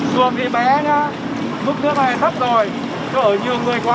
xuồng thì bé nhá mức nước này thấp rồi chợ ở nhiều người quá